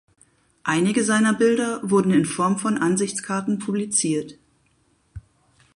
Einige seiner Bilder wurden in Form von Ansichtskarten publiziert.